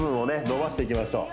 伸ばしていきましょう